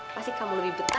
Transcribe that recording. pasti kamu lebih betah deh ya